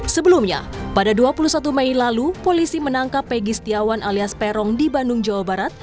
sebelumnya pada dua puluh satu mei lalu polisi menangkap pegi setiawan alias peron di bandung jawa barat